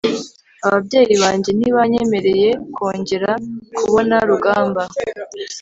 ababyeyi banjye ntibanyemereye kongera kubona rugamba